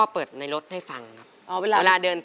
เปรียบความรักที่เหมือนมน